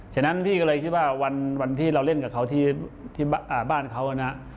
ฉะนั้นพี่ก็เลยคิดว่าวันที่เราเล่นกับเขาที่บ้านเขานะ